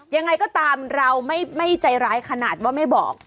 ยังไงก็ตามเราไม่ใจร้ายขนาดว่าไม่บอก